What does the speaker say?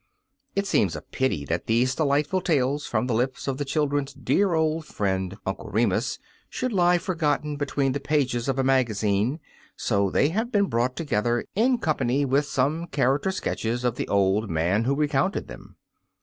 3 It seemed a pity that these delightful tales CO frcmtlu lips of the childrerCs dear old friend CO ,* Preface Uncle Remus should lie forgotten between the pages of a magazine y so they have been brought together in company with some char acter sketches of the old man who recounted them.